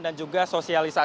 dan juga sosialisasi